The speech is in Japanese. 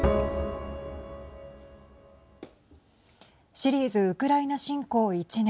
シリーズウクライナ侵攻１年。